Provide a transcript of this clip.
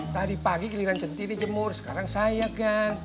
tadi pagi giliran centini jemur sekarang saya kan